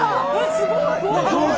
すごい！